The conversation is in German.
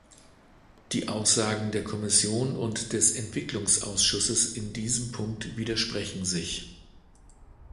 Die Aussagen der Kommission und des Entwicklungsausschusses in diesem Punkt widersprechen sich.